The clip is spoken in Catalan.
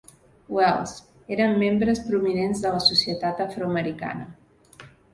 Wells, eren membres prominents de la societat afroamericana.